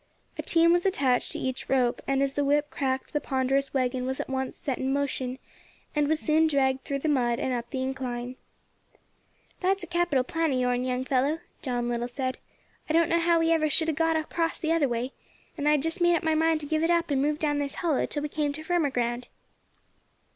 A team was attached to each rope, and as the whip cracked the ponderous waggon was at once set in motion, and was soon dragged through the mud and up the incline. "That's a capital plan of yourn, young fellow," John Little said. "I don't know how we ever should have got across the other way, and I had just made up my mind to give it up and move down this hollow till we came to firmer ground."